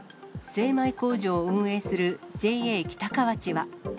精米工場を運営するＪＡ北河